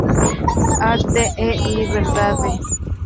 Arte e liberdade".